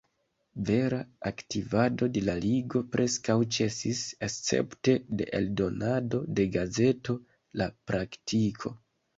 Vera aktivado de la Ligo preskaŭ ĉesis, escepte de eldonado de gazeto La Praktiko.